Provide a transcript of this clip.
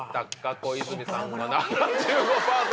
小泉さんが７５％！